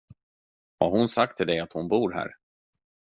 Har hon sagt till dig att hon bor här?